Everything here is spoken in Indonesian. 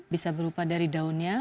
bisa berupa dari daunnya